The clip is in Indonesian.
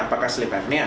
apakah sleep apnea